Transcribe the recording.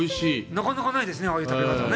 なかなかないですね、ああいう食べ方ね。